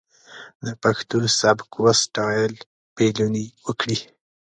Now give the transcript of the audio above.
د پښتو سبک و سټايل پليوني وکړي.